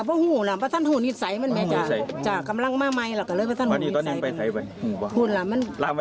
ซื้อมาราคาเท่าไหร่หรือ